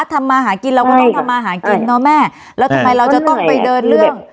ทำมาหากินเราก็ต้องทำมาหากินเนอะแม่แล้วทำไมเราจะต้องไปเดินเรื่อง